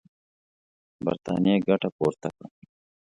برټانیې ګټه پورته کړه.